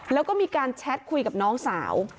แล้วก็มีการแชทคุยกับน้องสาว